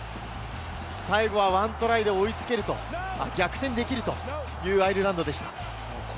最後は１トライで追いつける、逆転できるというアイルランドでした。